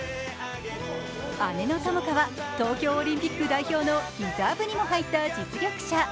姉の友花は東京オリンピック代表のリザーブにも入った実力者。